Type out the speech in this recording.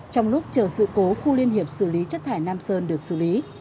trong lúc chờ sự cố khu liên hiệp xử lý chất thải nam sơn được xử lý